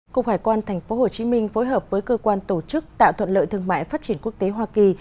cục hải quan tp hcm phối hợp với cơ quan tổ chức tạo thuận lợi thương mại phát triển quốc tế hoa kỳ